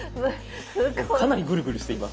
かなりグルグルしています。